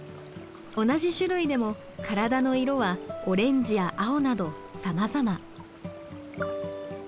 同じ種類でも体の色はオレンジや青などさまざま。